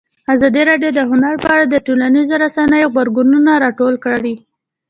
ازادي راډیو د هنر په اړه د ټولنیزو رسنیو غبرګونونه راټول کړي.